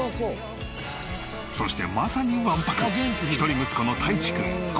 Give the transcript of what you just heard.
そしてまさにわんぱく。